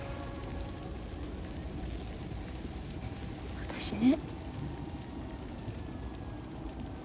私ね。